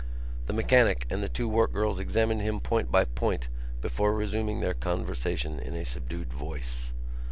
The mechanic and the two work girls examined him point by point before resuming their conversation in a subdued voice.